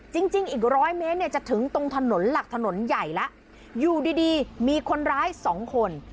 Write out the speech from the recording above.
จริงจริงอีกร้อยเมตรเนี่ยจะถึงตรงถนนหลักถนนใหญ่แล้วอยู่ดีดีมีคนร้ายสองคน